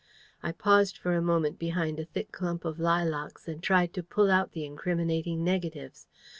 I paused for a moment behind a thick clump of lilacs and tried to pull out the incriminating negatives.